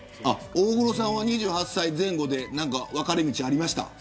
大黒さんは２８歳前後で何か分かれ道ありました。